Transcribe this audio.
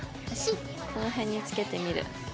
この辺に付けてみる。